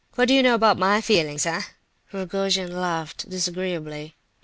What do you know about my feelings, eh?" (Rogojin laughed disagreeably.)